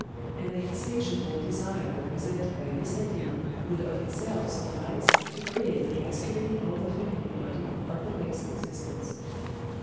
And the insatiable desire represented by this ideal would of itself suffice to create the masculine or the feminine body of the next existence."